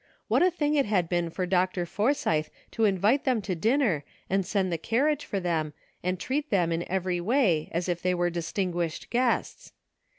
What a thing it had been for Dr. Forsythe to invite them to dinner and send the carriage for them and treat them* in evei*y way as if they were distinguished guests